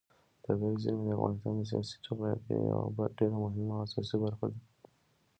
طبیعي زیرمې د افغانستان د سیاسي جغرافیې یوه ډېره مهمه او اساسي برخه ده.